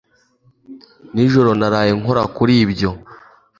Nijoro naraye nkora kuri ibyo